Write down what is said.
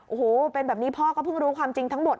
โอ้โหเป็นแบบนี้พ่อก็เพิ่งรู้ความจริงทั้งหมด